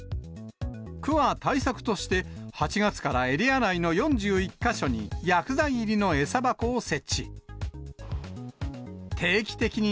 区は対策として、８月からエリア内の４１か所に薬剤入りの餌箱を設置。